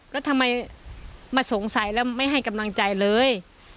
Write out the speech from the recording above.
แล้วทำไมมาสงสัยแล้วไม่ให้กำลังใจเลย